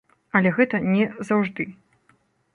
Але гэта не заўжды.